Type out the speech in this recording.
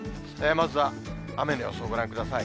まずは雨の様子をご覧ください。